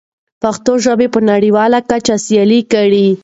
پښتو ژبه په نړیواله کچه سیاله کړئ.